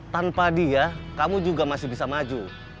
tanpa dia kamu juga masih bisa maju